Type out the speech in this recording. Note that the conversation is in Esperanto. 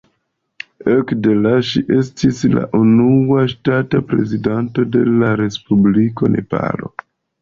Ekde la ŝi estis la unua ŝtata prezidantino de la respubliko Nepalo.